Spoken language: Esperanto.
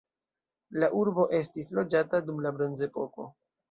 La urbo estis loĝata dum la bronzepoko.